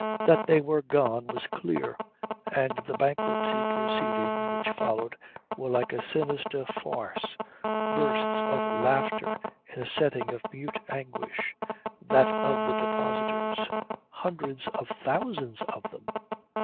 That they were gone was clear; and the bankruptcy proceedings which followed were like a sinister farce, bursts of laughter in a setting of mute anguish that of the depositors; hundreds of thousands of them.